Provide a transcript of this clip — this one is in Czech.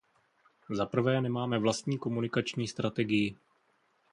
Zaprvé nemáme vlastní komunikační strategii.